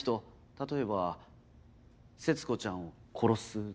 例えば節子ちゃんを殺すとか。